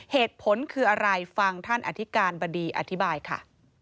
เหตุผลคืออะไรฟังท่านอธิการบดีอธิบายค่ะ